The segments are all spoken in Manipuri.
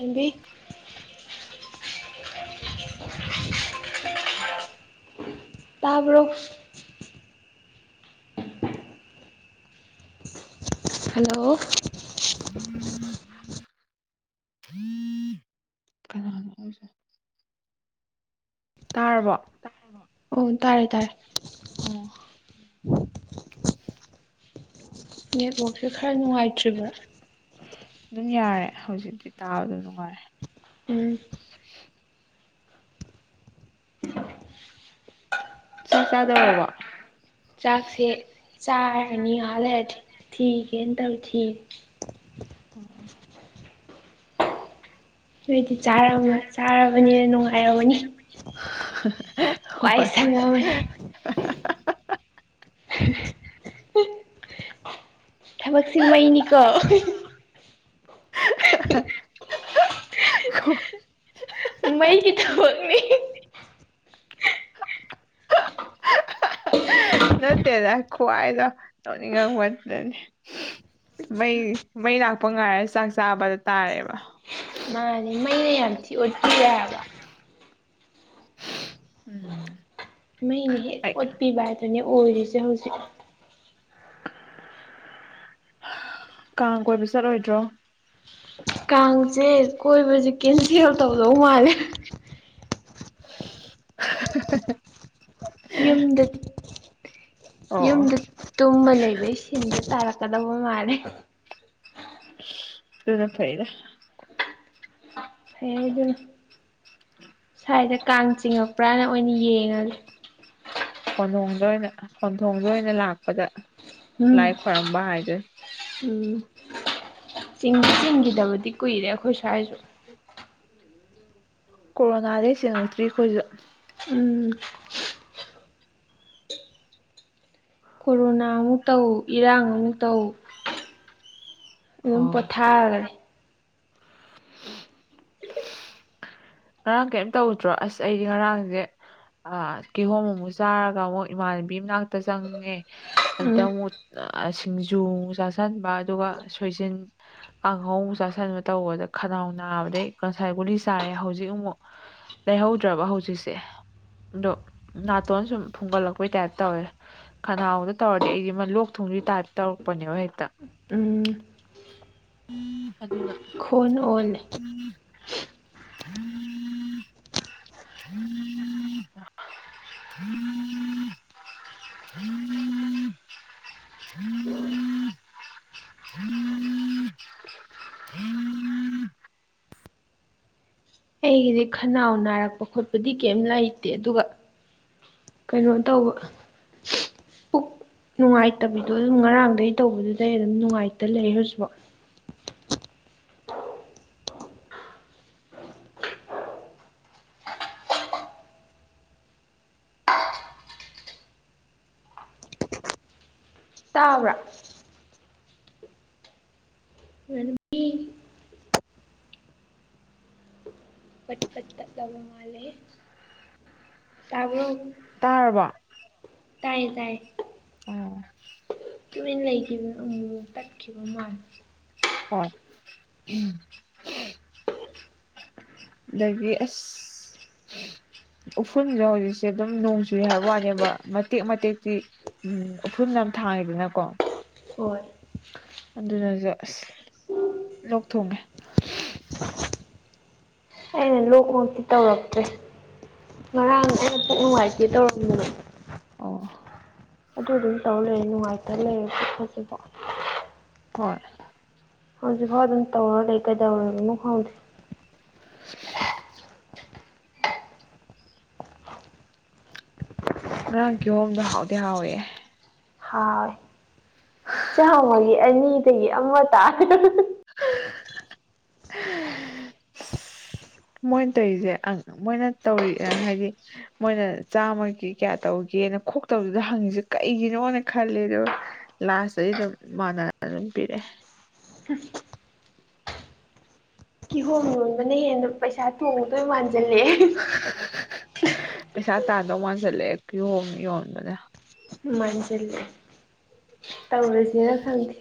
ꯑꯦꯝꯕꯤ [unintelligible] ꯇꯕꯔꯣ ꯍꯜꯂꯣ [unintelligible] ꯀꯅꯥꯅꯣ ꯍꯥꯏꯁ ꯇꯥꯔꯕꯣ ꯑꯣ ꯇꯥꯔꯦ ꯇꯥꯔꯦ [unintelligible] ꯅꯦꯠꯋꯔꯥꯛꯁꯦ ꯈꯔ ꯅꯨꯡꯉꯥꯏꯇ꯭ꯔꯤꯕ꯭ꯔꯥ? ꯑꯗꯨꯝ ꯌꯥꯔꯦ ꯍꯧꯖꯤꯛꯇꯤ ꯇꯥꯕꯗꯣ ꯅꯨꯡꯉꯥꯏꯔꯦ ꯎꯝ [unintelligible] ꯆꯥꯛ ꯆꯥꯗꯧꯔꯕꯣ? ꯆꯥꯛꯁꯦ ꯆꯥꯔꯅꯤ ꯉꯥꯏꯍꯥꯛ ꯂꯩꯔꯗꯤ ꯊꯤꯒꯦꯅ ꯇꯧꯔꯤ ꯊꯤꯔꯤ ꯑꯣ ꯅꯣꯏꯗꯤ ꯆꯥ ꯆꯥꯔꯕꯅꯤꯅ ꯅꯨꯡꯉꯥꯏꯔꯝꯃꯅꯤ꯫ ꯋꯥꯏ ꯍꯣꯏ ꯁꯪꯉꯝꯃꯅꯤ [unintelligible] ꯊꯕꯛꯁꯤ ꯃꯩꯅꯤꯀꯣ꯫ [unintelligible] ꯃꯩꯒꯤ ꯊꯕꯛꯅꯤ꯫ ꯅꯠꯇꯦꯗ ꯈꯨꯍꯥꯏꯗꯣ ꯅꯣꯛꯅꯤꯡꯉꯛꯄ꯫ ꯃꯩ ꯃꯩ ꯂꯥꯛꯄ ꯉꯥꯏꯔ ꯆꯥꯛ ꯆꯥꯕꯗ ꯇꯥꯔꯦꯕ꯫ ꯃꯥꯅꯦ ꯃꯩꯅ ꯌꯥꯝ ꯊꯤ ꯑꯣꯠꯄꯤꯔꯦ ꯍꯥꯏꯕ꯫ ꯎꯝ ꯃꯩꯅ ꯍꯦꯛ ꯑꯩ ꯑꯣꯠꯄꯤꯕ ꯍꯥꯏꯗꯨꯅꯦ ꯑꯣꯏꯔꯤꯁꯦ ꯍꯧꯖꯤꯛ꯫ ꯀꯥꯡ ꯀꯣꯏꯕ ꯆꯠꯂꯣꯏꯗ꯭ꯔꯣ? ꯀꯥꯡꯁꯦ ꯀꯣꯏꯕꯁꯦ ꯀꯦꯟꯁꯦꯜ ꯇꯧꯗꯧ ꯃꯥꯜꯂꯦ꯫ [unintelligible] ꯌꯨꯝꯗꯤ ꯑꯣ ꯑꯣ ꯌꯨꯝꯗ ꯇꯨꯝꯃ ꯂꯩꯕ ꯁꯤꯟꯗꯗ ꯇꯥꯔꯛꯀꯗꯧꯕ ꯃꯥꯜꯂꯦ꯫ ꯑꯗꯨꯅ ꯐꯩꯗ꯫ ꯐꯩ ꯑꯗꯨꯅ ꯁ꯭ꯋꯥꯏꯗ ꯀꯥꯡ ꯆꯤꯡꯉꯛꯄ꯭ꯔꯅ ꯑꯣꯏꯅ ꯌꯦꯡꯉꯒꯦ꯫ ꯈꯣꯟꯊꯣꯡꯗ ꯑꯣꯏꯅ ꯈꯣꯟꯊꯣꯡꯗ ꯑꯣꯏꯅ ꯂꯥꯛꯄꯗ ꯎꯝ ꯂꯥꯏ ꯈꯣꯏꯔꯝꯕ ꯍꯥꯏꯗꯨꯅꯤ꯫ ꯎꯝ ꯆꯤꯡ ꯆꯤꯡꯈꯤꯗꯕꯗꯤ ꯀꯨꯏꯔꯦ ꯑꯩꯈꯣꯏ ꯁ꯭ꯋꯥꯏꯁꯨ꯫ ꯀꯣꯔꯣꯅꯥꯗꯩ ꯆꯉꯛꯇ꯭ꯔꯤ ꯑꯩꯈꯣꯏꯁꯨ꯫ ꯎꯝ ꯀꯣꯔꯣꯅꯥ ꯑꯃꯨꯛ ꯇꯧ, ꯏꯔꯥꯡ ꯑꯃꯨꯛ ꯇꯧ꯫ ꯑꯗꯨꯝ ꯑꯣ ꯄꯣꯊꯥꯈꯔꯦ꯫ ꯉꯔꯥꯡ ꯀꯔꯤꯝ ꯇꯧꯗ꯭ꯔꯣ? ꯑꯁ ꯑꯩꯗꯤ ꯉꯔꯥꯡꯁꯦ, ꯑꯥ ꯀꯤꯍꯣꯝ ꯑꯃꯨꯛ ꯆꯥꯔꯒ ꯑꯃꯨꯛ ꯏꯃꯥꯟꯅꯕꯤ ꯃꯅꯥꯛꯇ ꯆꯪꯉꯦ ꯎꯝ ꯑꯗꯨꯗ ꯑꯃꯨꯛ ꯁꯤꯡꯖꯨ ꯑꯃꯨꯛ ꯆꯥꯁꯤꯟꯕ ꯑꯗꯨꯒ ꯁꯣꯏꯖꯤꯟ ꯀꯥꯡꯉꯧ ꯃꯨꯛ ꯆꯥꯁꯟꯕ ꯇꯧꯕꯗ ꯈꯅꯥꯎ ꯅꯥꯕꯗꯩ ꯀꯥꯡꯁꯥꯏ ꯒꯨꯂꯤ ꯆꯥꯔꯦ ꯍꯧꯖꯤꯛ ꯍꯧꯖꯤꯛ ꯑꯃꯨꯛ ꯂꯩꯍꯧꯗ꯭ꯔꯕ ꯍꯧꯖꯤꯛꯁꯦ꯫ ꯑꯗꯣ ꯅꯥꯇꯣꯟ ꯁꯨꯝ ꯊꯨꯡꯒꯠꯂꯛꯄꯩ ꯇꯥꯏꯞ ꯇꯧꯋꯦ꯫ ꯈꯅꯥꯎꯗ ꯇꯧꯔꯗꯤ ꯑꯩꯗꯤ ꯑꯃ ꯂꯣꯛ ꯊꯨꯡꯗꯨꯏ ꯇꯥꯏꯞ ꯇꯧꯔꯛꯄꯅꯦꯕ ꯍꯦꯛꯇ꯫ ꯎꯝ ꯑꯗꯨꯅ ꯈꯣꯟ ꯑꯣꯟꯂꯦ꯫ [unintelligible] ꯑꯩꯒꯤꯗꯤ ꯈꯅꯥꯎ ꯅꯥꯔꯛꯄ ꯈꯣꯠꯄꯗꯤ ꯀꯩꯝ ꯂꯩꯇꯦ ꯑꯗꯨꯒ ꯀꯩꯅꯣ ꯇꯧꯕ ꯄꯨꯛ ꯅꯨꯡꯉꯥꯏꯇꯕꯤꯗꯣ ꯑꯗꯨꯝ ꯉꯔꯥꯡꯗꯒꯤ ꯇꯧꯕꯗꯨꯗꯩ ꯑꯗꯨꯝ ꯅꯨꯡꯉꯥꯏꯇ ꯂꯩ ꯍꯧꯖꯤꯐꯥꯎ ꯇꯥꯕ꯭ꯔꯥ ꯄꯠꯄꯠꯇ ꯇꯋꯨꯡ ꯃꯥꯜꯂꯦꯍꯦ ꯇꯥꯕ꯭ꯔꯣ ꯇꯥꯔꯕꯣ ꯇꯥꯏꯌꯦ ꯇꯥꯏꯌꯦ ꯎꯝ ꯂꯩꯒꯤꯃꯦ ꯑꯃꯨꯛ ꯃꯨꯛ ꯇꯠꯈꯤꯕ ꯃꯥꯜꯂꯦ ꯍꯣꯏ ꯎꯝ ꯑꯗꯒꯤ ꯑꯁ [unintelligible] ꯎꯐꯨꯜꯗꯣ ꯍꯧꯖꯤꯛꯁꯦ ꯑꯗꯨꯝ ꯅꯣꯡ ꯆꯨꯏ ꯍꯥꯏꯕ ꯋꯥꯅꯦꯕ ꯃꯇꯦꯛ ꯃꯇꯦꯛꯇꯤ ꯎꯝ ꯎꯐꯨꯟ ꯌꯥꯝ ꯊꯥꯡꯉꯤꯗꯅꯀꯣ ꯍꯣꯏ ꯑꯗꯨꯅꯖꯨ ꯑꯁ ꯂꯣꯛ ꯊꯨꯡꯉꯦ ꯑꯩꯅ ꯂꯣꯛꯃꯛꯇꯤ ꯇꯧꯔꯛꯇ꯭ꯔꯦ ꯉꯔꯥꯡ ꯑꯩꯅ ꯄꯨꯛ ꯅꯨꯡꯉꯥꯏꯇꯦ ꯇꯧꯔꯝꯕꯗꯣ ꯑꯣ ꯑꯗꯨ ꯑꯗꯨꯝ ꯇꯧꯔ ꯂꯩꯔꯦ ꯅꯨꯡꯉꯥꯏꯇ ꯂꯩꯔꯦ ꯍꯧꯖꯤꯛꯐꯥꯎ ꯍꯣꯏ ꯍꯧꯖꯤꯛꯐꯥꯎ ꯑꯗꯨꯝ ꯇꯧꯔ ꯂꯩ ꯀꯩꯗꯧꯔꯕꯅ ꯈꯪꯗ꯭ꯔꯦ [unintelligible] ꯉꯔꯥꯡ ꯀꯤꯍꯣꯝꯗꯣ ꯍꯥꯎꯗꯤ ꯍꯥꯎꯏꯍꯦ ꯍꯥꯎꯏ [unintelligible] ꯆꯥꯃꯒꯤ ꯑꯅꯤꯗꯒꯤ ꯑꯃ ꯇꯥ [unintelligible] ꯃꯣꯏꯟ ꯇꯩꯖꯦ ꯑꯪ ꯃꯣꯏꯅ ꯇꯧꯔꯤ ꯍꯥꯏꯗꯤ ꯃꯣꯏꯅ ꯆꯥꯝꯃꯒꯤ ꯀꯌꯥ ꯇꯧꯒꯦꯅ ꯈꯣꯛꯇꯥꯕꯗꯨꯗ ꯍꯪꯉꯤꯁꯦ ꯀꯩꯒꯤꯅꯣꯅ ꯈꯜꯂꯦ ꯑꯗꯨ ꯂꯥꯁꯇꯗꯤ ꯑꯗꯨꯝ ꯃꯥꯟꯅꯅ ꯑꯗꯨꯝ ꯄꯤꯔꯛꯑꯦ ꯀꯤꯍꯣꯝ ꯌꯣꯟꯕꯅ ꯍꯦꯟꯅ ꯄꯩꯁꯥ ꯇꯣꯡꯗꯣꯏ ꯃꯥꯟꯁꯤꯜꯂꯛꯑꯦ ꯄꯩꯁꯥ ꯇꯥꯟꯗꯧ ꯃꯥꯟꯁꯤꯜꯂꯛꯑꯦ ꯀꯤꯍꯣꯝ ꯌꯣꯟꯕꯅ ꯃꯥꯟꯁꯤꯜꯂꯦ ꯇꯧꯔꯖꯤꯔ ꯈꯪꯗꯦ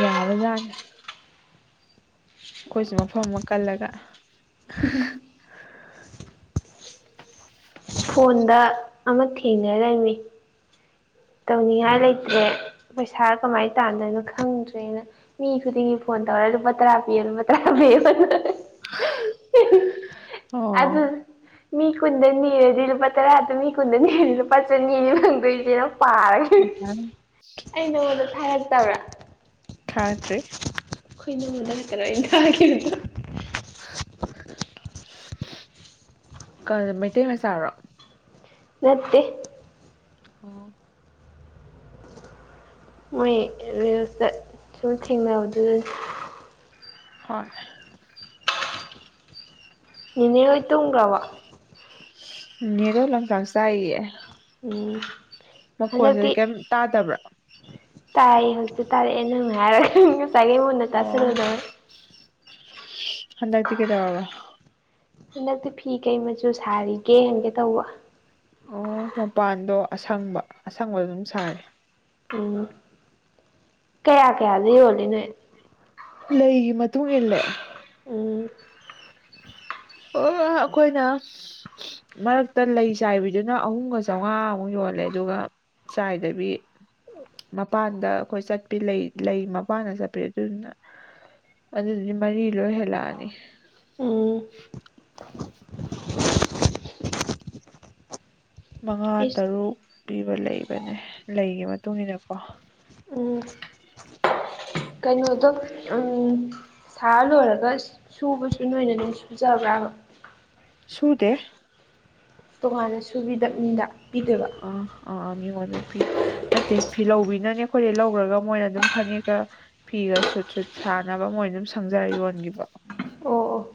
ꯌꯥꯕ ꯖꯥꯠꯅꯤ ꯑꯩꯈꯣꯏꯁꯨ ꯃꯐꯝ ꯑꯃ ꯀꯜꯂꯒ ꯐꯣꯟꯗ ꯑꯃ ꯊꯦꯡꯅꯔꯝꯃꯤ ꯇꯧꯅꯤꯡꯉꯥꯏ ꯂꯩꯇ꯭ꯔꯦ ꯄꯩꯁꯥ ꯀꯃꯥꯏ ꯇꯥꯟꯗꯣꯏꯅꯣ ꯈꯪꯗ꯭ꯔꯦꯅ ꯃꯤ ꯈꯨꯗꯤꯡꯒꯤ ꯐꯣꯟ ꯇꯧꯔ ꯂꯨꯄꯥ ꯇꯔꯥ ꯄꯤꯌꯣ ꯂꯨꯄꯥ ꯇꯔꯥ ꯄꯤꯌꯣꯅ ꯑꯣ ꯑꯗꯨ ꯃꯤ ꯀꯨꯟꯗ ꯅꯤꯔꯗꯤ ꯂꯨꯄꯥ ꯇꯔꯥꯗꯣ ꯃꯤ ꯀꯨꯟꯗ ꯅꯤꯔꯗꯤ ꯂꯨꯄꯥ ꯆꯅꯤꯅꯤ ꯐꯪꯗꯣꯏꯖꯦꯅ ꯄꯥꯔꯒ ꯑꯩ ꯅꯉꯣꯟꯗ ꯊꯥꯔꯛꯇꯕ꯭ꯔꯥ ꯊꯥꯗ꯭ꯔꯤ ꯑꯩꯈꯣꯏ ꯏꯅꯝꯃꯗ ꯈꯛꯇꯥꯔ ꯑꯩꯅ ꯊꯥꯈꯤꯕꯗꯣ ꯀꯔ ꯃꯩꯇꯩ ꯃꯆꯥꯔꯣ ꯅꯠꯇꯦ ꯑꯣ ꯃꯣꯏ ꯔꯤꯜꯁꯇ ꯁꯨꯝ ꯊꯦꯡꯅꯕꯗꯨꯗꯅꯦ ꯍꯣꯏ ꯅꯤꯅꯦ ꯍꯣꯏ ꯇꯨꯝꯈ꯭ꯔꯕꯣ ꯅꯤꯅꯦꯗꯣ ꯂꯪꯆꯥꯛ ꯆꯥꯛꯏꯌꯦ ꯎꯝ ꯃꯈꯣꯟꯖꯦ ꯀꯩꯝ ꯇꯥꯗꯕ꯭ꯔꯥ ꯇꯥꯏꯌꯦ ꯍꯧꯖꯤꯛꯇ ꯇꯥꯔꯛꯑꯦ ꯅꯪ ꯍꯥꯏꯔꯒ ꯉꯁꯥꯏꯒꯩ ꯃꯨꯟꯅ ꯑꯣ ꯇꯥꯁꯜꯂꯨꯗꯕꯩ ꯍꯟꯗꯛꯇꯤ ꯀꯩꯗꯧꯔꯕ ꯍꯟꯗꯛꯇꯤ ꯐꯤ ꯀꯩ ꯃꯆꯨ ꯁꯥꯔꯤꯒꯦ ꯍꯪꯒꯦ ꯇꯧꯕ ꯑꯣ ꯃꯄꯥꯟꯗꯣ ꯑꯁꯪꯕ ꯑꯁꯪꯕ ꯑꯗꯨꯝ ꯁꯥꯔꯤ ꯎꯝ ꯀꯌꯥ ꯀꯌꯥꯗ ꯌꯣꯜꯂꯤ ꯅꯣꯏ ꯂꯩꯒꯤ ꯃꯇꯨꯡ ꯏꯜꯂꯦ ꯑꯝ ꯑꯣ ꯑꯩꯈꯣꯏꯅ ꯃꯔꯛꯇ ꯂꯩ ꯆꯥꯏꯕꯤꯗꯨꯅ ꯑꯍꯨꯝꯒ ꯆꯥꯝꯉꯥꯃꯨꯛ ꯌꯣꯜꯂꯦ ꯑꯗꯨꯒ ꯆꯥꯏꯗꯕꯤ ꯃꯄꯥꯟꯗ ꯑꯩꯈꯣꯏ ꯆꯠꯄꯤ ꯂꯩ ꯂꯩ ꯃꯄꯥꯟꯗ ꯆꯠꯄꯤ ꯑꯗꯨꯗꯨꯅ ꯑꯗꯨꯗꯨꯗꯤ ꯃꯔꯤ ꯂꯣꯏ ꯍꯦꯜꯂꯛꯑꯅꯤ ꯎꯝ ꯃꯉꯥ ꯑꯩꯁ ꯇꯔꯨꯛ ꯄꯤꯕ ꯂꯩꯕꯅꯦ ꯂꯩꯒꯤ ꯃꯇꯨꯡ ꯏꯟꯅꯀꯣ ꯎꯝ ꯀꯩꯅꯣꯗꯣ ꯎꯝ ꯁꯥ ꯂꯣꯏꯔꯒ ꯁꯨꯕꯁꯨ ꯅꯣꯏꯅ ꯑꯗꯨꯝ ꯁꯨꯖꯕ꯭ꯔꯥꯕ ꯁꯨꯗꯦ ꯇꯣꯉꯥꯟꯅ ꯁꯨꯕꯤꯗ ꯃꯤꯗ ꯄꯤꯗꯣꯏꯕ ꯑ ꯑ ꯃꯤꯉꯣꯟꯗ ꯄꯤ ꯅꯠꯇꯦ ꯐꯤꯂꯧꯕꯤꯅꯅꯦ ꯑꯩꯈꯣꯏꯗꯩ ꯂꯧꯈ꯭ꯔꯒ ꯃꯣꯏꯅ ꯑꯗꯨꯝ ꯐꯅꯦꯛꯀ ꯐꯤꯒ ꯁꯨꯠ ꯁꯨꯠ ꯁꯥꯅꯕ ꯃꯣꯏ ꯑꯗꯨꯝ ꯁꯪꯖꯔꯥ ꯌꯣꯟꯒꯤꯕ ꯑꯣ ꯑꯣ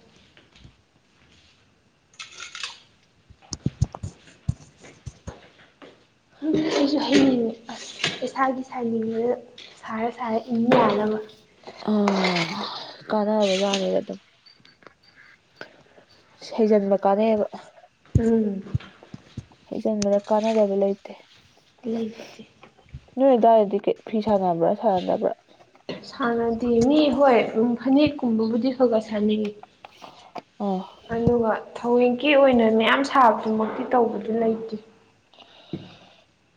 ꯑꯩꯁꯨ ꯍꯩꯅꯤꯡꯉꯦ ꯑꯁ ꯏꯁꯥꯒꯤ ꯁꯥꯏꯅꯤꯡꯉꯦ ꯁꯥꯔ ꯁꯥꯔ ꯏꯟ ꯌꯥꯅꯕ ꯑꯣ ꯀꯥꯟꯅꯕ ꯖꯥꯠꯅꯤ ꯑꯗꯨꯝ ꯍꯩꯖꯤꯟꯕ ꯀꯥꯟꯅꯩꯌꯦꯕ ꯎꯝ ꯍꯩꯖꯤꯟꯕꯗ ꯀꯥꯟꯅꯗꯕ ꯂꯩꯇꯦ ꯂꯩꯁꯤꯗꯤ ꯅꯣꯏ ꯑꯗꯨꯋꯥꯏꯗꯗꯤ ꯀꯩ ꯐꯤ ꯁꯥꯟꯅꯕ꯭ꯔꯥ ꯁꯥꯟꯅꯗꯕ꯭ꯔꯥ ꯁꯥꯟꯅꯗꯦ ꯃꯤ ꯍꯣꯏ ꯎꯝ ꯐꯅꯦꯛꯀꯨꯝꯕꯕꯨꯗꯤ ꯈꯥꯒ ꯁꯥꯅꯩꯌꯦ ꯑꯣ ꯑꯗꯨꯒ ꯊꯧꯋꯣꯏꯀꯤ ꯑꯣꯏꯅ ꯃꯌꯥꯝ ꯁꯥꯕꯗꯨꯃꯛꯇꯤ ꯇꯧꯕꯗꯤ ꯂꯩꯇꯦ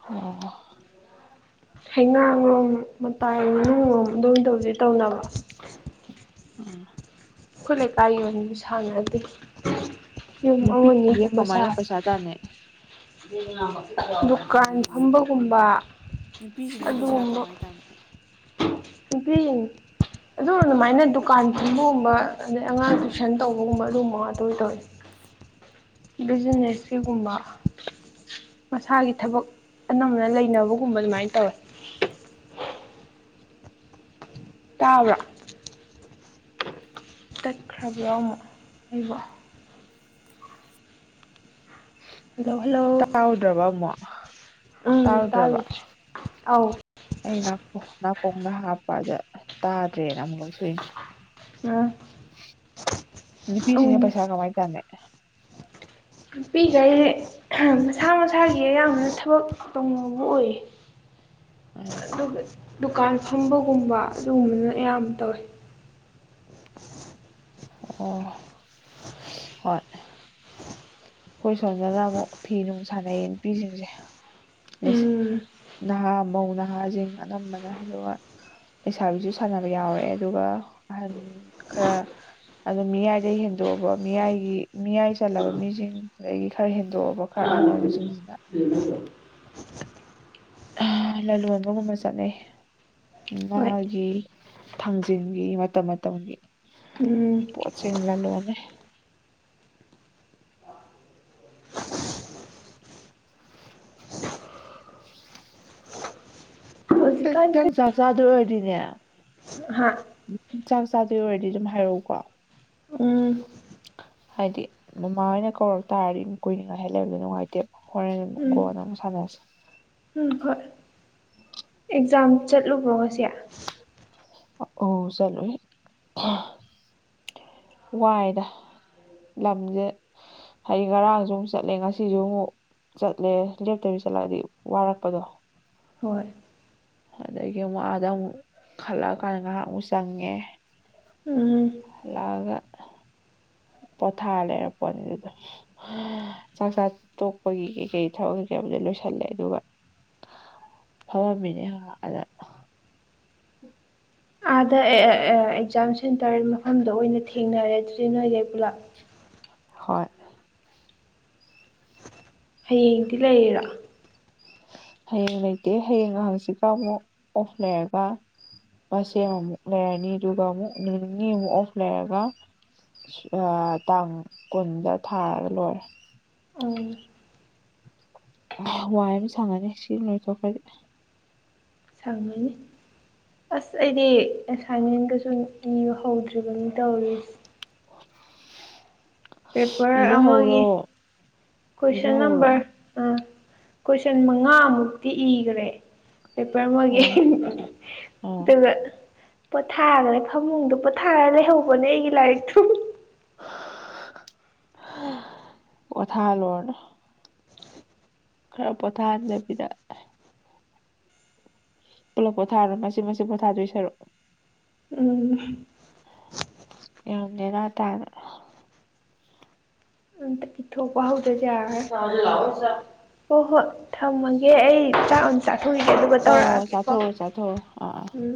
ꯑꯣ ꯍꯩꯉꯥꯡꯂꯣꯝ ꯃꯇꯥꯏ ꯃꯅꯨꯡꯂꯣꯝ ꯑꯗꯨꯝ ꯇꯧꯁꯦ ꯇꯧꯅꯕ ꯑꯣ ꯈꯣꯏ ꯂꯩꯀꯥꯏꯒꯤ ꯑꯣꯏꯅꯗꯤ ꯁꯥꯟꯅꯗꯦ ꯌꯨꯝ ꯑꯃꯅꯤ ꯅꯨꯄꯤꯁꯤꯡꯁꯦ ꯒꯨꯝꯕ ꯁꯥꯏ [unintelligible] ꯗꯨꯀꯥꯟ ꯐꯝꯕꯒꯨꯝꯕ ꯅꯨꯄꯤꯁꯤꯡꯁꯦ ꯄꯩꯁꯥ ꯑꯗꯨꯒꯨꯝꯕ ꯀꯃꯥꯏꯅ ꯇꯥꯟꯅꯩ ꯒ꯭ꯔꯤꯟ ꯑꯗꯨ ꯑꯗꯨꯃꯥꯏꯅ ꯗꯨꯀꯥꯟ ꯐꯝꯕꯒꯨꯝꯕ ꯑꯗꯩ ꯑꯉꯥꯡ ꯇꯨꯏꯁꯟ ꯇꯧꯕꯒꯨꯝꯕ ꯑꯗꯨꯒꯨꯝꯕ ꯉꯥꯛꯇ ꯑꯣꯏ ꯇꯧꯏ ꯕꯤꯖꯤꯅꯦꯁ ꯁꯤꯒꯨꯝꯕ ꯃꯁꯥꯒꯤ ꯊꯕꯛ ꯑꯅꯝꯕꯅ ꯂꯩꯅꯕꯒꯨꯝꯕ ꯑꯗꯨꯃꯥꯏꯅ ꯇꯧꯋꯦ ꯇꯥꯕꯔ‌ꯣ ꯇꯠꯈ꯭ꯔꯕ ꯌꯥꯎ ꯑꯃꯨꯛ ꯑꯩꯕꯣ ꯍꯜꯂꯣ ꯍꯜꯂꯣ ꯇꯥꯎꯗ꯭ꯔꯕ ꯑꯃꯛ ꯎꯝ ꯇꯥꯎꯔꯗ꯭ꯔꯕ ꯇꯥꯏ ꯑꯧ ꯑꯩ ꯅꯥꯀꯣꯡꯗ ꯍꯥꯞꯄꯗ ꯇꯥꯗ꯭ꯔꯦꯅ ꯑꯃꯨꯛ ꯂꯧꯊꯣꯛ ꯏ ꯅꯦ ꯉ ꯅꯨꯄꯤꯁꯤꯡꯁꯦ ꯄꯩꯁꯥ ꯀꯃꯥꯏ ꯇꯥꯟꯅꯦ ꯄꯤꯖꯔꯅꯤ ꯃꯁꯥ ꯃꯁꯥꯒꯤ ꯑꯌꯥꯝꯕꯅ ꯊꯕꯛ ꯇꯧꯅꯤꯡꯕ ꯑꯣꯏꯌꯦ ꯎꯝ ꯑꯗꯨꯒ ꯗꯨꯀꯥꯟ ꯐꯝꯕꯒꯨꯝꯕ ꯑꯗꯨꯒꯨꯝꯕꯅ ꯑꯌꯥꯝꯕ ꯇꯧꯋꯦ ꯑꯣ ꯍꯣꯏ ꯑꯩꯈꯣꯏ ꯁꯣꯝꯗꯅ ꯑꯃꯨꯛ ꯐꯤ ꯅꯨꯡ ꯁꯥꯟꯅꯩꯌꯦ ꯅꯨꯄꯤꯁꯤꯡꯁꯦ ꯎꯝ ꯅꯍꯥ ꯃꯧ ꯅꯍꯥꯁꯤꯡ ꯑꯅꯝꯕꯅ ꯑꯗꯨꯒ ꯂꯩꯥꯕꯤꯁꯨ ꯁꯥꯟꯅꯕ ꯌꯥꯎꯔꯦ ꯑꯗꯨꯒ ꯑꯍꯟ ꯈꯔ ꯑꯗꯨ ꯃꯤꯌꯥꯏꯗꯩ ꯍꯦꯟꯗꯣꯛꯑꯕ ꯃꯤꯌꯥꯏꯒꯤ ꯃꯤꯌꯥꯏ ꯆꯜꯂꯕ ꯃꯤꯁꯤꯡ ꯑꯗꯒꯤ ꯈꯔ ꯍꯦꯟꯗꯣꯛꯑꯕ ꯈꯔ ꯑꯍꯟ ꯑꯣꯏꯕꯁꯤꯡꯁꯤꯅ [unintelligible] ꯂꯂꯣꯟꯕꯒꯨꯝꯕ ꯆꯠꯅꯩ ꯍꯣꯏ ꯉꯥꯒꯤ ꯊꯥꯡꯖꯤꯟꯒꯤ ꯃꯇꯝ ꯃꯇꯝꯒꯤ ꯎꯝ ꯄꯆꯤꯡ ꯂꯂꯣꯜꯂꯦ ꯍꯧꯖꯤꯛꯀꯥꯟ ꯆꯪ ꯆꯥꯛ ꯆꯥꯗꯣꯏ ꯑꯣꯏꯔꯗꯤꯣꯏꯅꯦ ꯍꯥ ꯆꯥꯛ ꯆꯥꯗꯣꯏ ꯑꯣꯏꯔꯗꯤ ꯑꯗꯨꯝ ꯍꯥꯏꯔꯛꯎꯀꯣ ꯎꯝ ꯍꯥꯏꯗꯤ ꯃꯃꯥ ꯍꯣꯏꯅ ꯀꯧꯔꯛ ꯇꯥꯔꯗꯤ ꯀꯨꯏꯅ ꯉꯥꯏꯍꯜꯂꯩꯕꯗꯣ ꯅꯨꯡꯉꯥꯏꯇꯦꯕ ꯍꯔꯦꯜ ꯎꯝ ꯀꯣꯅ ꯑꯃꯛ ꯁꯥꯟꯅꯁꯤ ꯎꯝ ꯍꯣꯏ ꯑꯦꯛꯖꯥꯝ ꯆꯠꯂꯨꯕ꯭ꯔꯣ ꯉꯁꯤ ꯑꯣ ꯆꯠꯂꯨꯏ ꯋꯥꯏꯗ ꯂꯝꯁꯦ ꯍꯩ ꯉꯔꯥꯡꯁꯨ ꯑꯃꯨꯛ ꯆꯠꯂꯦ ꯉꯁꯤꯁꯨ ꯑꯃꯨꯛ ꯆꯠꯂꯦ ꯂꯦꯞꯇꯕꯤ ꯆꯠꯂꯛꯑꯗꯤ ꯋꯥꯔꯛꯄꯗꯣ ꯍꯣꯏ ꯑꯗꯒꯤ ꯑꯃꯨꯛ ꯑꯥꯗ ꯑꯃꯨꯛ ꯈꯜꯂꯛꯑꯀꯥꯟꯗ ꯉꯥꯏꯍꯥꯛ ꯑꯃꯨꯛ ꯆꯪꯉꯦ ꯎꯝ ꯍꯜꯂꯛꯑꯒ ꯄꯣꯊꯥ ꯂꯩꯔꯛꯄꯣꯅꯤꯗ ꯆꯥꯛ ꯆꯥ ꯇꯣꯛꯄꯒꯤ ꯀꯩ ꯀꯩ ꯊꯕꯛ ꯀꯩꯀꯥꯕꯨꯗꯤ ꯂꯣꯏꯁꯤꯜꯂꯦ ꯑꯗꯨꯒ ꯐꯝꯃꯝꯃꯤꯅꯦ ꯉꯍꯥꯛ ꯑꯗ [unintelligible] ꯑꯥꯗ ꯑꯦꯛꯖꯥꯝ ꯁꯦꯟꯇꯔ ꯃꯐꯝꯗ ꯑꯣꯏꯅ ꯊꯦꯡꯅꯔꯗ꯭꯭ꯔꯤ ꯅꯣꯏꯗꯩ ꯄꯨꯂꯞ ꯍꯣꯏ ꯍꯌꯦꯡꯗꯤ ꯂꯩꯔꯤꯔꯥ ꯍꯌꯦꯡ ꯂꯩꯇꯦ ꯍꯌꯦꯡꯒ ꯍꯪꯆꯤꯠꯀ ꯑꯃꯨꯛ ꯑꯣꯐ ꯂꯩꯔꯒ ꯃꯁ ꯑꯃꯃꯨꯛ ꯂꯩꯔꯅꯤ ꯑꯗꯨꯒ ꯑꯃꯨꯛ ꯅꯨꯃꯤꯠ ꯅꯤꯅꯤ ꯑꯃꯨꯛ ꯑꯣꯐ ꯂꯩꯔꯒ ꯑꯥ ꯇꯥꯡ ꯀꯨꯟꯗ ꯊꯥꯔꯒ ꯂꯣꯏꯔꯦ ꯑꯣ ꯋꯥꯏ ꯑꯃ ꯁꯪꯉꯅꯤ ꯁꯤ ꯂꯣꯏꯊꯣꯛꯈ꯭ꯔꯗꯤ ꯁꯪꯉꯤꯅꯤ ꯑꯁ ꯑꯩꯗꯤ ꯑꯦꯁꯥꯏꯟꯃꯦꯟꯒꯁꯨ ꯏꯕ ꯍꯧꯗ꯭ꯔꯤꯕꯅꯤ ꯇꯧꯔꯤꯁ ꯄꯦꯄꯔ ꯏꯕ ꯑꯃꯒꯤ ꯍꯧꯔꯣ ꯏꯕ ꯀꯣꯏꯁꯟ ꯍꯧꯔꯣ ꯅꯝꯕꯔ ꯑꯥ ꯀꯣꯏꯁꯟ ꯃꯉꯥꯃꯨꯛꯇꯤ ꯏꯒꯔꯦ ꯄꯦꯄꯔ ꯑꯃꯒꯤ ꯑꯣ ꯑꯥ ꯗꯨꯒ ꯄꯣꯊꯥꯒꯔꯦ ꯐꯃꯨꯡꯗ ꯄꯣꯊꯥꯔ ꯂꯩꯍꯧꯕꯅꯦ ꯑꯩꯒꯤ ꯂꯥꯏꯔꯤꯛꯇꯨ ꯄꯣꯊꯥꯍꯜꯂꯣꯔꯅꯨ ꯈꯔ ꯄꯣꯊꯥꯍꯟꯗꯕꯤꯗ ꯄꯨꯂꯞ ꯄꯣꯊꯥꯔꯣ ꯃꯆꯤꯠ ꯃꯆꯤꯠ ꯄꯣꯊꯥꯗꯣꯏ ꯁꯔꯨꯛ ꯎꯝ ꯌꯥꯝ ꯅꯦꯅꯥ ꯇꯥꯅ ꯑꯝꯇ ꯄꯤꯊꯣꯛꯄ ꯍꯧꯗꯗꯤ ꯌꯥꯔꯣꯏ ꯍꯣ ꯍꯣꯏ ꯊꯝꯃꯒꯦ ꯑꯩ ꯆꯥꯛ ꯆꯥꯊꯣꯛꯈꯤꯒꯦ ꯑꯗꯨꯒ ꯍꯣꯏ ꯍꯣꯏ ꯇꯧꯔꯛꯑꯒꯦꯀꯣ ꯆꯥꯊꯣꯛꯎꯔꯣ ꯆꯥꯊꯣꯛꯎꯔꯣ ꯑꯥ ꯑꯥ ꯎꯝ